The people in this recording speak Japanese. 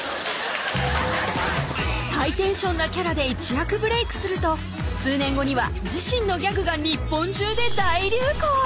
ハイテンションなキャラで一躍ブレークすると数年後には自身のギャグが日本中で大流行ＨＯＴ！ＨＯＴ！